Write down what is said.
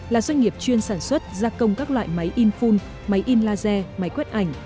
là doanh nghiệp chuyên sản xuất gia công các loại máy in full máy in laser máy quét ảnh